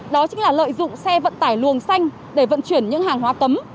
đó chính là lợi dụng xe vận tải luồng xanh để vận chuyển những hàng hóa cấm